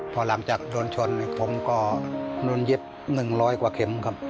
พอหลังจากโดนชนผมก็โดนเย็บ๑๐๐กว่าเข็มครับ